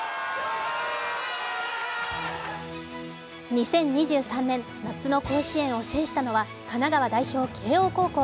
２０２３年、夏の甲子園を制したのは神奈川代表・慶応高校。